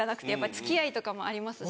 付き合いとかもありますし。